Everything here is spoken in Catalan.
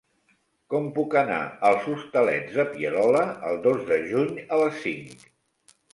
Com puc anar als Hostalets de Pierola el dos de juny a les cinc?